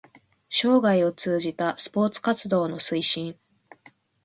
生涯を通じたスポーツ活動の推進